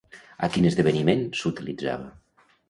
A quin esdeveniment s'utilitzava?